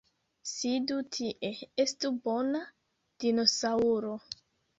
Sidu tie! Estu bona dinosaŭro!